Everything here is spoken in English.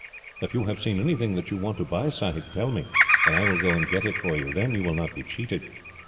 "If you have seen anything that you want to buy, sahib, tell me, and I will go and get it for you. Then you will not be cheated."